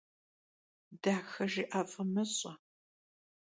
Daxejjı'e f'ı mış'e.